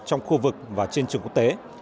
trong khu vực và trên trường quốc tế